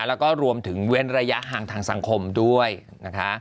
แล้วก็รวมถึงเว้นระยะห่างทางสังคมด้วยนะคะ